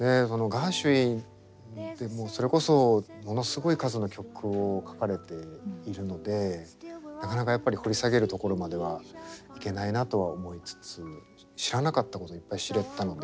ガーシュウィンってもうそれこそものすごい数の曲を書かれているのでなかなかやっぱり掘り下げるところまではいけないなとは思いつつ知らなかったこといっぱい知れたので今回。